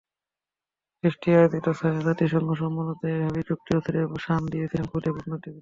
দৃষ্টি আয়োজিত ছায়া জাতিসংঘ সম্মেলনে এভাবেই যুক্তির অস্ত্রে শাণ দিয়েছিল খুদে কূটনীতিকেরা।